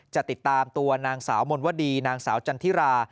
จะติดตามตัวนางสาวมนวดีนางสาวจันทิรา